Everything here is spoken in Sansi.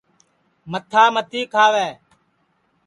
متھا متی کھاوے